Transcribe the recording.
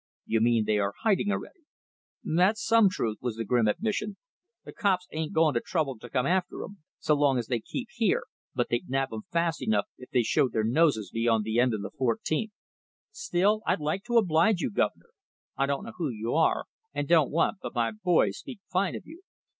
"You mean they are hiding already?" "That's some truth," was the grim admission. "The cops ain't going to trouble to come after 'em, so long as they keep here, but they'd nab 'em fast enough if they showed their noses beyond the end of Fourteenth. Still, I'd like to oblige you, guv'nor. I don't know who you are, and don't want, but my boys speak fine of you.